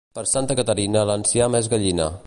Per Santa Caterina l'enciam és gallina.